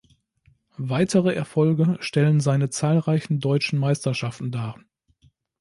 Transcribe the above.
Weitere Erfolge stellen seine zahlreichen Deutschen Meisterschaften dar.